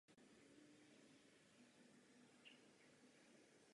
Neumožníme to za žádných okolností.